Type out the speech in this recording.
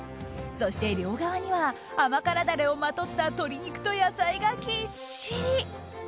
そして両側には甘辛ダレをまとった鶏肉と野菜がぎっしり！